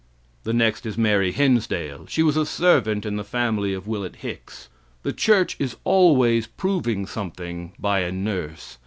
The next is Mary Hinsdale. She was a servant in the family of Willet Hicks. The church is always proving something by a nurse.